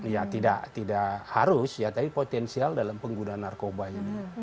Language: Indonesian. ya tidak harus ya tapi potensial dalam pengguna narkoba ini